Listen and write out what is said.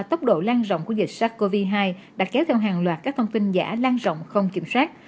tốc độ lan rộng của dịch sars cov hai đã kéo theo hàng loạt các thông tin giả lan rộng không kiểm soát